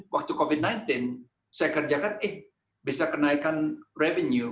waktu covid sembilan belas saya kerjakan eh bisa kenaikan revenue